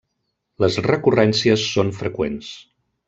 Les recurrències són freqüents.